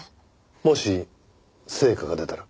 もし成果が出たら？